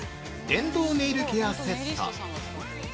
「電動ネイルケアセット」！